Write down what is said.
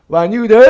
và như thế này